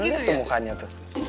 lihat tuh mukanya tuh